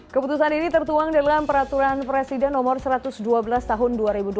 keputusan ini tertuang dalam peraturan presiden no satu ratus dua belas tahun dua ribu dua puluh